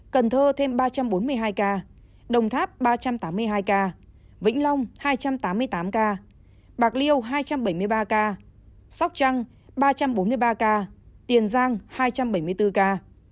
cần thơ thêm ba trăm bốn mươi hai ca đồng tháp ba trăm tám mươi hai ca vĩnh long hai trăm tám mươi tám ca bạc liêu hai trăm bảy mươi ba ca sóc trăng ba trăm bốn mươi ba ca tiền giang hai trăm bảy mươi bốn ca